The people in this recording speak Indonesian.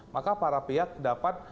maka para pihak dapat